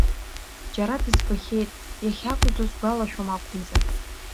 Џьара дызбахьеит, иахьакәзу сгәалашәом акәмзар.